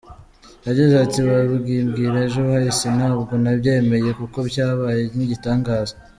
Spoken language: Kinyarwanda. Yagize ati “Babimbwira ejo hahise ntabwo nabyemeye kuko cyabaye nk’igitangaza.